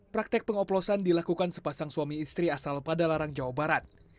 praktek pengoplosan dilakukan sepasang suami istri asal padalarang jawa barat